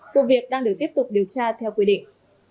vụ việc đang được tiếp tục điều tra theo quy định